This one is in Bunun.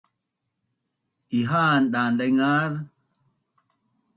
Ihaan daan-daingaz